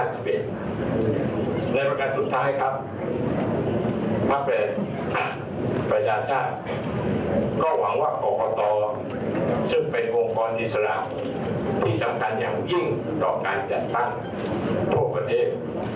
ในประการสุดท้ายครับพักประชาชาติก็หวังว่ากรกตซึ่งเป็นองค์กรอิสระที่สำคัญอย่างยิ่งต่อการจัดตั้งทั่วประเทศ